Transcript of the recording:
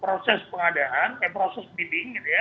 proses pengadaan kayak proses bidding gitu ya